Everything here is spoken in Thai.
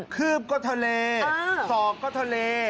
คืบก็ทะเลศอกก็ทะเล